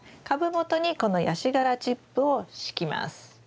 株元にこのヤシ殻チップを敷きます。